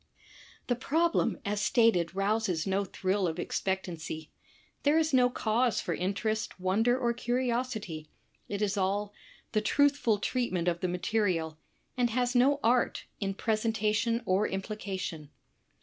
The problem, as stated, rouses no thrill of expectancy . There is no cause for interest, wonder, or curiosity. It is all "The truthful treatment of the material," and has no art in presentation or implication.